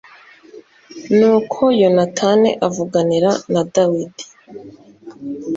nuko yonatani avuganira n dawidi